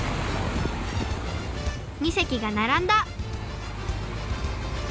２せきがならんだ！